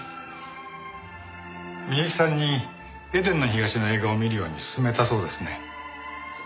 美雪さんに『エデンの東』の映画を見るように薦めたそうですね。